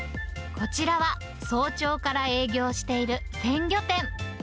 こちらは、早朝から営業している鮮魚店。